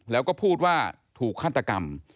แล้วก็พูดว่าถูกฆาตกรรม